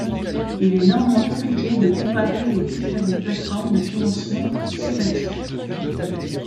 Il est néanmoins compliqué de comparer les différentes plates-formes de financement participatif.